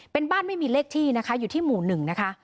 เป็นบ้านไม่มีเลขที่นะคะอยู่ที่หมู่๑นะคะ